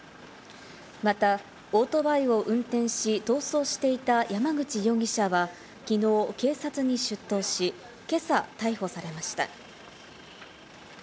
また、オートバイを運転し、逃走していた山口容疑者はきのう警察に出頭し、今朝、逮捕されました。